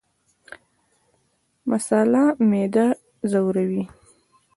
مساله معده ځوروي